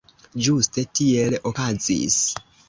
Ĝuste tiel okazis.